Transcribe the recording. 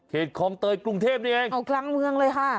คลองเตยกรุงเทพนี่เองเอากลางเมืองเลยค่ะ